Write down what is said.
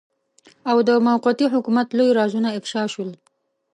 او د موقتي حکومت لوی رازونه افشاء شول.